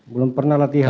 belum pernah latihan